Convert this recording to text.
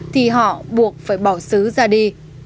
thì họ buộc phải bỏ xứ ra đi